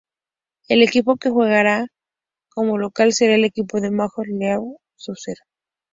El equipo que jugará como local será el equipo de la Major League Soccer.